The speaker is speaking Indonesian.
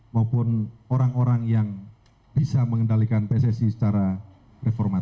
maupun orang orang yang bisa mengendalikan pssi secara reformatif